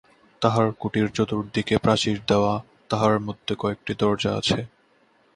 তাঁহার কুটীর চতুর্দিকে প্রাচীর দেওয়া, তাহার মধ্যে কয়েকটি দরজা আছে।